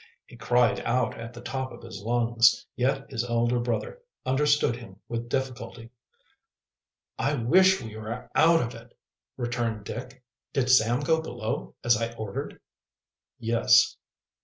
He cried out at the top of his lungs, yet his elder brother understood him with difficulty. "I wish we were out of it," returned Dick. "Did Sam go below, as I ordered?" "Yes."